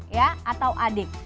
ya atau adik